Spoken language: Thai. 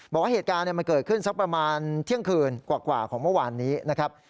บอกว่าเหตุการณ์มันเกิดขึ้นสักประมาณเที่ยงคืนกว่าของเมื่อวานนี้นะครับ